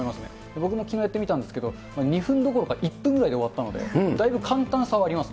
僕もきのうやってみたんですけど、２分どころか１分ぐらいで終わったので、だいぶ簡単さはあります。